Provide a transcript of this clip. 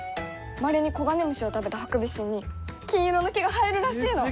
まれにコガネムシを食べたハクビシンに金色の毛が生えるらしいの！